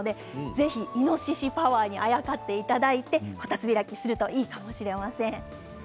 ぜひ、イノシシパワーにあやかっていただいてこたつ開きするといいかもしれません。